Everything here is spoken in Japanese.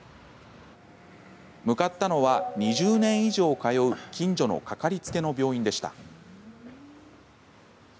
向かったのは、２０年以上通う近所のかかりつけの病院でした。